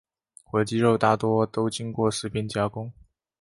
火鸡肉大多都经过食品加工。